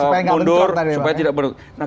mundur supaya tidak beruntung